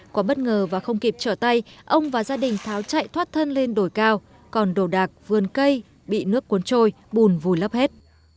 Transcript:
quá bất ngờ và không kịp trở tay ông và gia đình tháo chạy thoát thân lên đồi cao còn đồ đạc vườn cây bị nước cuốn trôi bùn vùi lấp hết